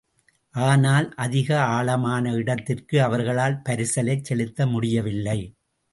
ஆனால், அதிக ஆழமான இடத்திற்கு அவர்களால் பரிசலைச் செலுத்த முடியவில்லை.